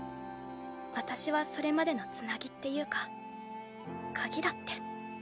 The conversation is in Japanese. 私はそれまでのつなぎっていうか鍵だって。